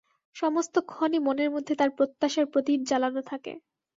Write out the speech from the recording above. সমস্তক্ষণই মনের মধ্যে তার প্রত্যাশার প্রদীপ জ্বালানো থাকে।